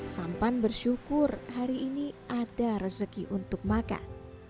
sampan bersyukur hari ini ada rezeki untuk makan